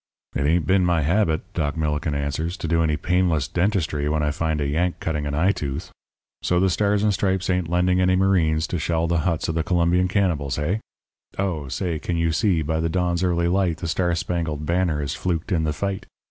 "'It ain't been my habit,' Doc Millikin answers, 'to do any painless dentistry when I find a Yank cutting an eye tooth. So the Stars and Stripes ain't lending any marines to shell the huts of the Colombian cannibals, hey? Oh, say, can you see by the dawn's early light the star spangled banner has fluked in the fight?